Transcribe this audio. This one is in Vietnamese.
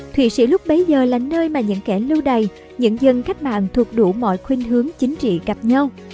thụy sĩ lúc bấy giờ là nơi mà những kẻ lưu đầy những dân cách mạng thuộc đủ mọi khuyên hướng chính trị gặp nhau